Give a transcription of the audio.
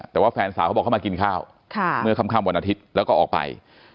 แต่ว่าแฟนสาวเขาบอกเขามากินข้าวเมื่อค่ำวันอาทิตย์แล้วก็ออกไป